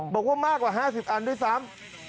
บอกว่ามากกว่า๕๐อันด้วยซ้ำ